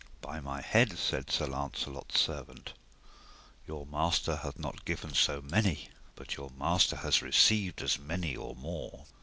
By my head, said Sir Launcelot's servant, your master hath not given so many but your master has received as many or more.